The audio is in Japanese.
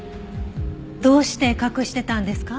どうして隠してたんですか？